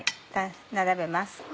並べます。